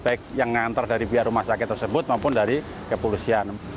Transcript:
baik yang ngantor dari pihak rumah sakit tersebut maupun dari kepolisian